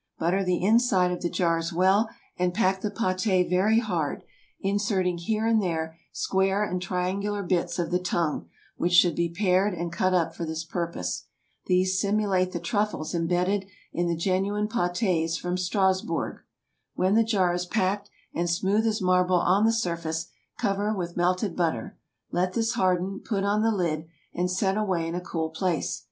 Butter the inside of the jars well, and pack the pâté very hard, inserting here and there square and triangular bits of the tongue, which should be pared and cut up for this purpose. These simulate the truffles imbedded in the genuine pâtés from Strasbourg. When the jar is packed, and smooth as marble on the surface, cover with melted butter. Let this harden, put on the lid, and set away in a cool place.